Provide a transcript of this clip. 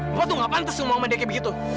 bapak tuh gak pantas ngomong sama dia kayak begitu